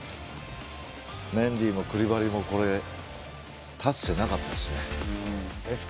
メンディもクリバリも立つ瀬なかったですね。